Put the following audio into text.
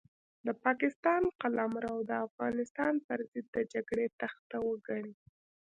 د پاکستان قلمرو د افغانستان پرضد د جګړې تخته وګڼي.